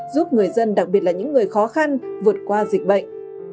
giúp người dân đặc biệt là những người khó khăn vượt qua dịch bệnh